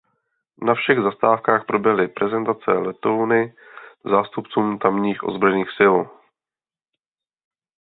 Na všech zastávkách proběhly prezentace letouny zástupcům tamních ozbrojených sil.